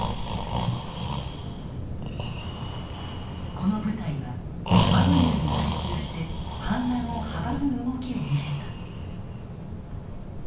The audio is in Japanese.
この部隊は、ワグネルに対抗して反乱を阻む動きを見せた。